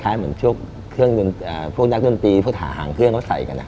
คล้ายเหมือนพวกนักดนตรีผู้หาหางเข้าใส่กันครับ